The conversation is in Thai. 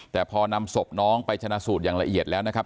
แต่พอนำศพน้องไปชนะสูตรอย่างละเอียดแล้วนะครับ